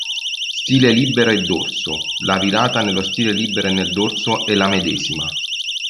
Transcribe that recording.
Stile libero e Dorso: la virata nello stile libero e nel dorso è la medesima.